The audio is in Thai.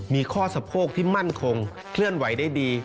มีข้อสะโพกที่มั่นคงเคลื่อนไหวได้ดี